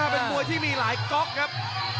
เป็นมวยที่มีหลายก๊อกครับ